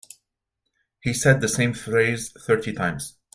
He said the same phrase thirty times.